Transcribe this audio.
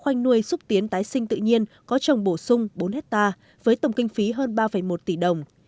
khoanh nuôi xúc tiến tái sinh tự nhiên có trồng bổ sung bốn hectare với tổng kinh phí hơn ba một tỷ đồng